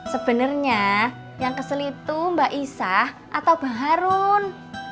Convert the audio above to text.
sebenarnya yang kesel itu mbak isah atau bang harun